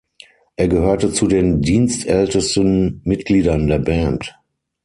Er gehörte zu den dienstältesten Mitgliedern der Band.